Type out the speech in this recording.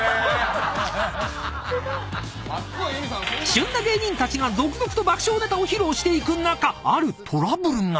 ［旬な芸人たちが続々と爆笑ネタを披露していく中あるトラブルが］